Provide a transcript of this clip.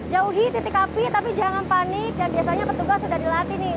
jauhi titik api tapi jangan panik dan biasanya petugas sudah dilatih nih